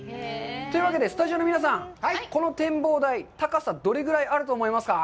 というわけで、スタジオの皆さん、この展望台、高さどれぐらいあると思いますか？